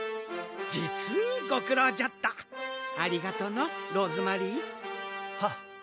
実にご苦労じゃったありがとのローズマリーはっ！